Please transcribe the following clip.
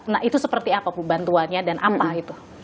nah itu seperti apa bu bantuannya dan apa itu